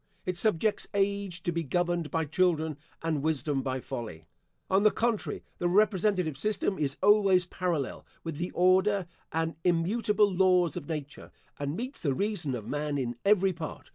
It subjects age to be governed by children, and wisdom by folly. On the contrary, the representative system is always parallel with the order and immutable laws of nature, and meets the reason of man in every part.